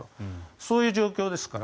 そういう状況ですから。